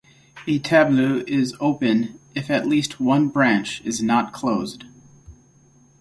A tableau is open if at least one branch is not closed.